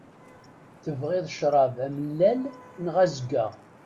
Tebɣiḍ crab amellal neɣ azeggaɣ?